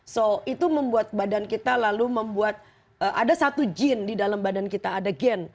so itu membuat badan kita lalu membuat ada satu jin di dalam badan kita ada gen